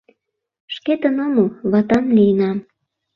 Шкетын омыл — ватан лийынам.